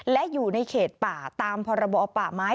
และอยู่ในเขตป่าตามพรบป่าไม้